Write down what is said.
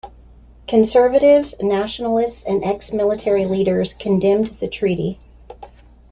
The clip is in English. Conservatives, nationalists and ex-military leaders condemned the treaty.